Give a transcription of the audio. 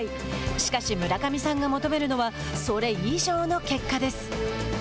しかし村上さんが求めるのはそれ以上の結果です。